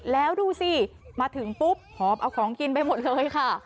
แล้วดูสิมาถึงปุ๊บหอบเอาของกินไปหมดเลยค่ะ